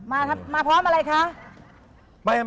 มาพร้อมอะไรคะ